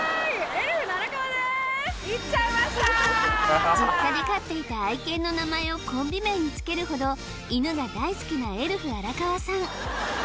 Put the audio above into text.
エルフの荒川です実家で飼っていた愛犬の名前をコンビ名につけるほど犬が大好きなエルフ荒川さん